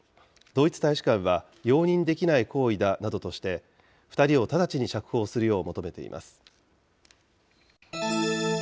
北京にあるＥＵ代表部とドイツ大使館は容認できない行為だなどとして、２人を直ちに釈放するよう求めています。